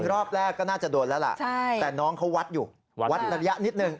รอบแรกก็น่าจะโดนแล้วล่ะแต่น้องเขาวัดอยู่วัดระยะนิดนึง